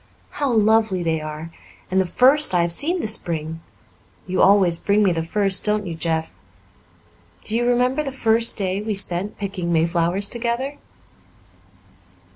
"How lovely they are! And the first I have seen this spring. You always bring me the first, don't you, Jeff? Do you remember the first day we spent picking mayflowers together?"